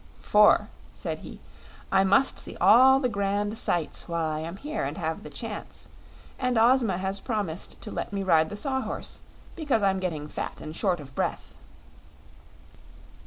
"For," said he, "I must see all the grand sights while I am here and have the chance, and Ozma has promised to let me ride the Saw Horse because I'm getting fat and short of breath."